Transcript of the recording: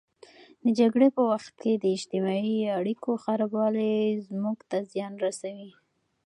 د جګړې په وخت کې د اجتماعي اړیکو خرابوالی زموږ ته زیان رسوي.